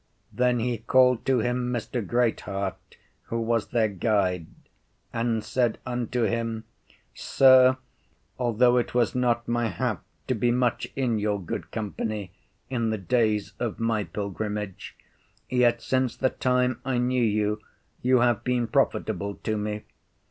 Then he called to him Mr. Great heart, who was their guide, and said unto him, Sir, although it was not my hap to be much in your good company in the days of my pilgrimage, yet since the time I knew you, you have been profitable to me.